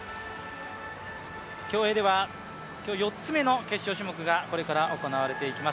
競泳では今日４つ目の決勝種目がこれから行われていきます。